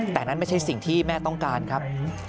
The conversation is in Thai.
แต่นั่นไม่ใช่สิ่งที่แม่ต้องการครับ